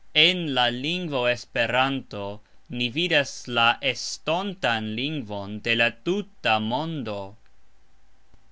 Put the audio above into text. En la lingvo Esperanto ni vidas la estontan lingvon de la tuta mondo.